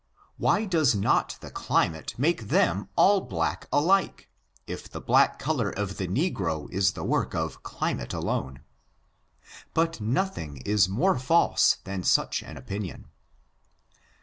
why does not the climate make them all black alike, if the black color of the negro is the work of climate alone ? But nothing is more false than such an opin ion.